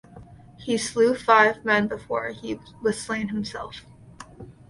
He slew five men before he was slain himself.